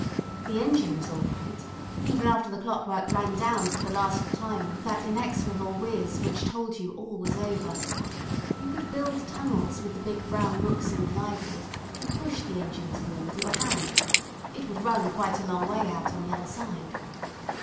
The engine was all right, even after the clockwork ran down for the last time with that inexorable whizz which told you all was over; you could build tunnels with the big brown books in the library and push the engine through with your hand it would run quite a long way out on the other side.